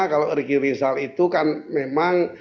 kalau riki rizal itu kan memang